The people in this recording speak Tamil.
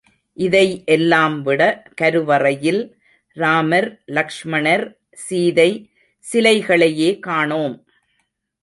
இதை எல்லாம் விட கருவறையில் ராமர், லக்ஷ்மணர், சீதை சிலைகளையே காணோம்.